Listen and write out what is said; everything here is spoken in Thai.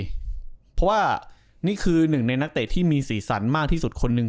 เพราะว่านี่คือหนึ่งในนักเตะที่มีสีสันมากที่สุดคนหนึ่ง